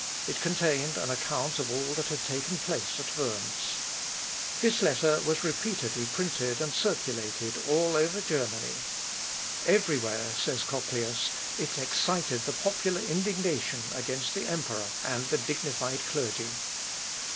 It contained an account of all that had taken place at Worms. This letter was repeatedly printed and circulated all over Germany; "Every where," says Cochlœus, "it excited the popular indignation against the emperor and the dignified clergy."